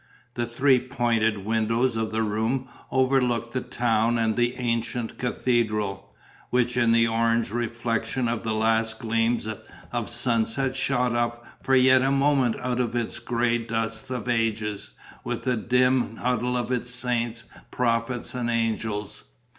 The three pointed windows of the room overlooked the town and the ancient cathedral, which in the orange reflection of the last gleams of sunset shot up for yet a moment out of its grey dust of ages with the dim huddle of its saints, prophets and angels.